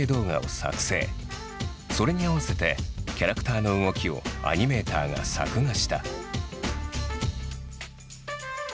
それに合わせてキャラクターの動きをアニメーターが作画した。